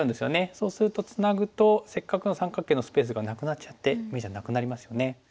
そうするとツナぐとせっかくの三角形のスペースがなくなっちゃって眼じゃなくなりますよね。